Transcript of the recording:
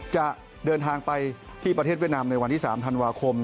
จะเดินทางไปที่ประเทศเวียดนามในวันที่๓ธันวาคม